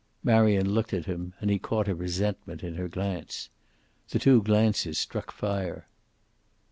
Marion looked at him, and he caught a resentment in her glance. The two glances struck fire.